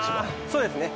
そうですね